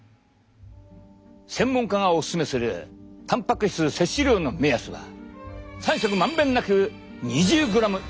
専門家がオススメするたんぱく質摂取量の目安は３食まんべんなく２０ｇ以上だ！